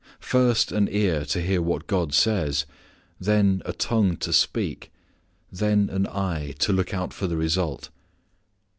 First an ear to hear what God says, then a tongue to speak, then an eye to look out for the result.